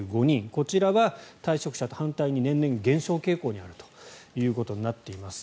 こちらは退職者と反対に年々減少傾向にあるということになっています。